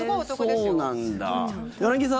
そうなんだ。